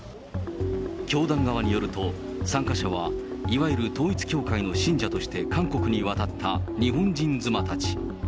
教団側によると、参加者は、いわゆる統一教会の信者として韓国にわたった日本人妻たち。